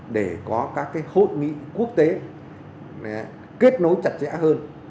để có các hội nghị quốc tế kết nối chặt chẽ hơn